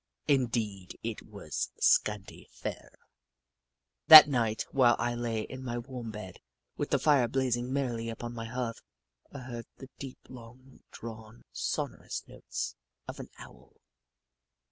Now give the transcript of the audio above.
Indeed, it was scanty fare. That night while I lay in my warm bed, with the fire blazing merrily upon my hearth, I heard the deep, long drawn, sonorous notes of an Owl.